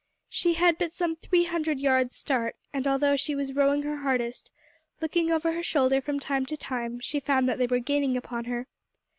She had but some three hundred yards' start, and although she was rowing her hardest, looking over her shoulder from time to time, she found that they were gaining upon her.